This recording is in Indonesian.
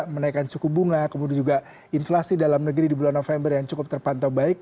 menaikkan suku bunga kemudian juga inflasi dalam negeri di bulan november yang cukup terpantau baik